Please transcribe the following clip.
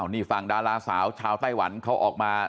นี่ฝั่งดาราสาวชาวไต้หวันเขาออกมา